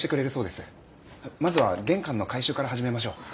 まずは玄関の回収から始めましょう。